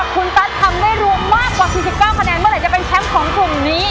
คุณตั๊ดทำได้รวมมากกว่า๔๙คะแนนเมื่อไหร่จะเป็นแชมป์ของกลุ่มนี้